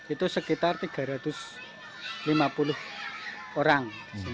itu sekitar tiga ratus lima puluh orang